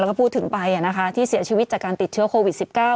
แล้วก็พูดถึงไปอ่ะนะคะที่เสียชีวิตจากการติดเชื้อโควิดสิบเก้า